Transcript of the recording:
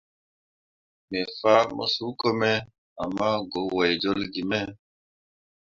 Me fah mo suuko me ama go wai jolle ge me.